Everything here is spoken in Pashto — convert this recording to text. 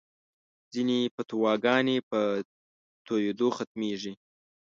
ځینې فتواګانې په تویېدو ختمېږي.